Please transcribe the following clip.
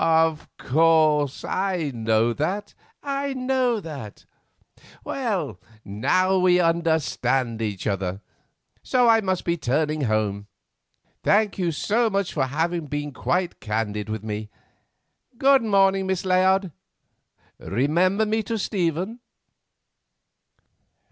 "Of course, I know that, I know that. Well, now we understand each other, so I must be turning home. Thank you so much for having been quite candid with me. Good morning, Miss Layard; remember me to Stephen."